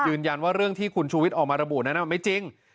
ยืนยันว่าเรื่องที่คุณชูวิทย์ออกมาระบุนั้นไม่จริง